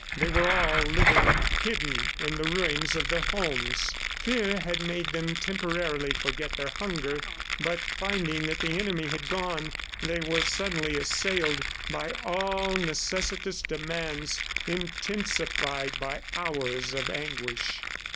They were all living hidden in the ruins of their homes. Fear had made them temporarily forget their hunger, but finding that the enemy had gone, they were suddenly assailed by all necessitous demands, intensified by hours of anguish.